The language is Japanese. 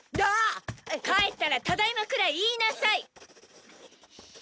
帰ったら「ただいま」くらい言いなさい！